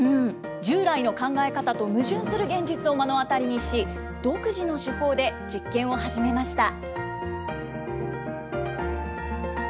従来の考え方と矛盾する現実を目の当たりにし、独自の手法で実験を始めました。